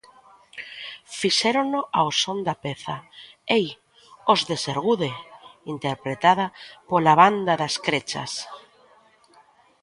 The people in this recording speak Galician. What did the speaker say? Fixérono ao son da peza "Ei, os de Sergude!", interpretada pola Banda das Crechas.